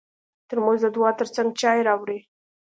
ترموز د دعا تر څنګ چای راوړي.